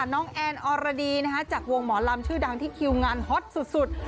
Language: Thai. น้องแอนอรดีจากวงหมอลำชื่อดังที่คิวงานฮอตสุด